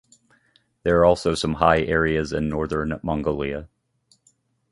There are also some high areas in northern Mongolia.